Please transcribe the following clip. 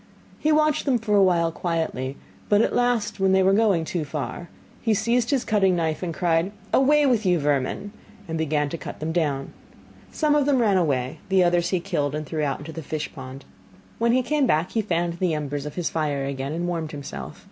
He watched them for a while quietly, but at last when they were going too far, he seized his cutting knife, and cried: 'Away with you, vermin,' and began to cut them down. Some of them ran away, the others he killed, and threw out into the fish pond. When he came back he fanned the embers of his fire again and warmed himself.